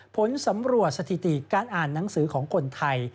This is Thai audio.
ผลสำรวจสถิติการอ่านหนังสือของคนไทย